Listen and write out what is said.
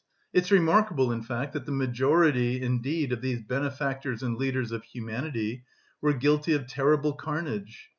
It's remarkable, in fact, that the majority, indeed, of these benefactors and leaders of humanity were guilty of terrible carnage.